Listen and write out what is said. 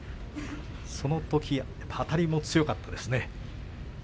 そのとき、あたりもそうですね。